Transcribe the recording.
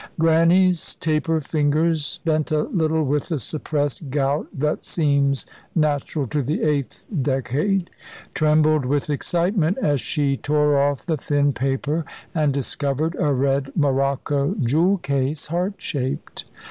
Grannie's taper fingers bent a little with the suppressed gout that seems natural to the eighth decade trembled with excitement, as she tore off the thin paper and discovered a red morocco jewel case, heart shaped.